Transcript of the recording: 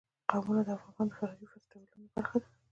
قومونه د افغانستان د فرهنګي فستیوالونو برخه ده.